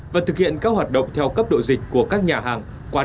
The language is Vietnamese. và thực hiện các hoạt động